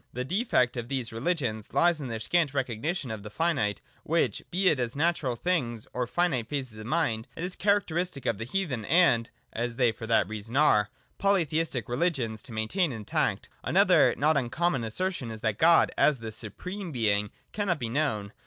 The defect of these religions lies in their scant recognition of the finite, which, be it as natural things or as finite phases of mind, it is characteristic of the heathen and (as they also for that reason are) polytheistic religions to maintain intact. Another not uncommon assertion is that God, as the supreme Being, cannot be known.